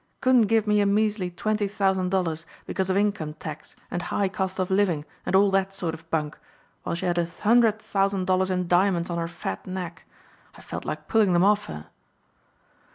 Couldn't give me a measly twenty thousand dollars because of income tax and high cost of living and all that sort of bunk, while she had a hundred thousand dollars in diamonds on her fat neck. I felt like pulling them off her."